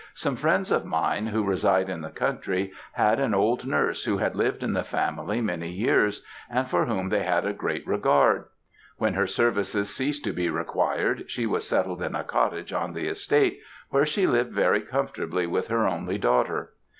Some friends of mine, who reside in the country, had an old nurse who had lived in the family many years, and for whom they had a great regard. When her services ceased to be required, she was settled in a cottage on the estate, where she lived very comfortably with her only daughter.